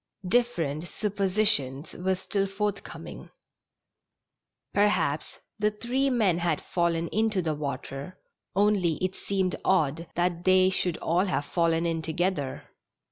Different suppositions were still forthcoming. Per haps the three men had fallen into the water, only it seemed odd that they should all have fallen in together.